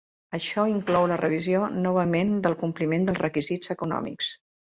Això inclou la revisió novament del compliment dels requisits econòmics.